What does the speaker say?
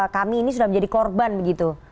kami ini sudah menjadi korban begitu